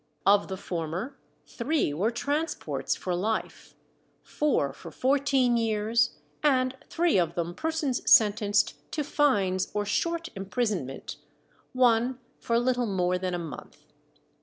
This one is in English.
Of the former, three were transports for life, four for fourteen years, and three of them persons sentenced to fines or short imprisonment one for little more than a month.